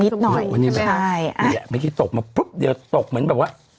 นิดหน่อยใช่เนี้ยเมื่อกี้ตกมาพึ๊บเดี๋ยวตกเหมือนแบบว่า